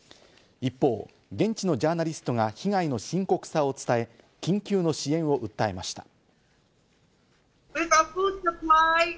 一方、現地のジャーナリストが被害の深刻さを伝え、緊急の支援を訴えました。